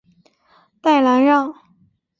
代兰让。